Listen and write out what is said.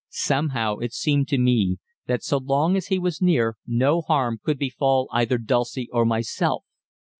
Somehow it seemed to me that so long as he was near no harm could befall either Dulcie or myself.